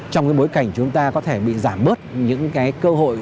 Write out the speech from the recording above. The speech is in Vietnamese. trong bối cảnh chúng ta có thể bị giảm bớt những cơ hội